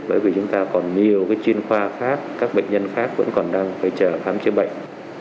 bởi vì chúng ta còn nhiều chuyên khoa khác các bệnh nhân khác vẫn còn đang phải chờ khám chữa bệnh